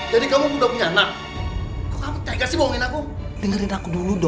jangan jangan ini peninggalan mendiang orang tuanya